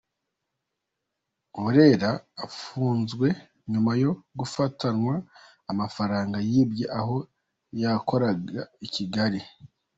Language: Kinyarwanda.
Burera: Afunzwe nyuma yo gufatanwa amafaranga yibye aho yakoraga I Kigali.